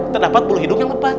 terdapat bulu hidung yang lebat